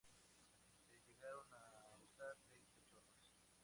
Se llegaron a usar seis carros.